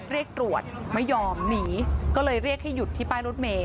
เรียกตรวจไม่ยอมหนีก็เลยเรียกให้หยุดที่ป้ายรถเมย